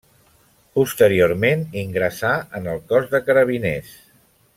Posteriorment ingressà en el Cos de Carabiners.